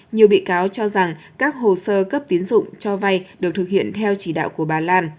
nhiều bị cáo cho rằng các hồ sơ cấp tiến dụng cho vay được thực hiện theo chỉ đạo của bà lan